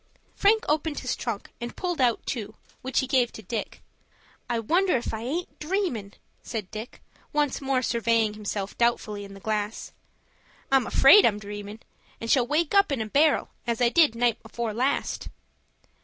Frank opened his trunk and pulled out two, which he gave to Dick. "I wonder if I aint dreamin'," said Dick, once more surveying himself doubtfully in the glass. "I'm afraid I'm dreamin', and shall wake up in a barrel, as I did night afore last."